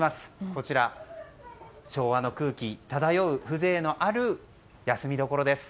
こちら、昭和の空気漂う風情のある休みどころです。